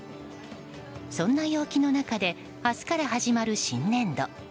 そんな陽気の中で明日から始まる新年度。